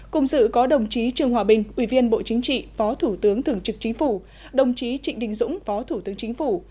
cùng dự có đồng chí trương hòa bình ủy viên bộ chính trị phó thủ tướng thường trực chính phủ đồng chí trịnh đình dũng phó thủ tướng chính phủ